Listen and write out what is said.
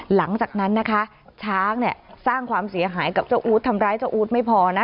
หลังจากนั้นนะคะช้างเนี่ยสร้างความเสียหายกับเจ้าอู๊ดทำร้ายเจ้าอู๊ดไม่พอนะ